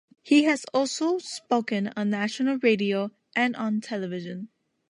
He has also spoken on national radio and on television.